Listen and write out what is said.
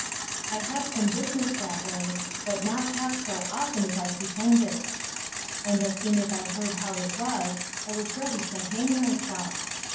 I had some business that way, but not half so often as I pretended: and as soon as I heard how it was, I was ready to hang myself.